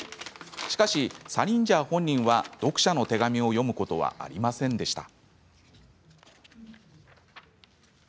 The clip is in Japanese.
しかし、サリンジャー本人は読者の手紙を読むことはありませんでした。